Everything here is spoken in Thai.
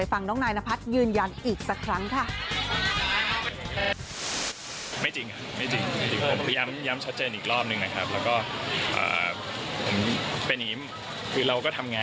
ฟังน้องนายนพัฒน์ยืนยันอีกสักครั้งค่ะ